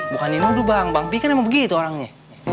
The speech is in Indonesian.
bukan ini nuduh bang bang fi kan emang begitu orangnya